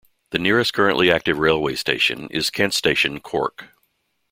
The nearest currently active railway station is Kent Station Cork.